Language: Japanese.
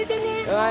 はい。